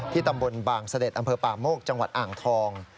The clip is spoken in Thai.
ตำบลบางเสด็จอำเภอป่าโมกจังหวัดอ่างทอง